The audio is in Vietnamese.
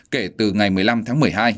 kể từ ngày một mươi năm tháng một mươi hai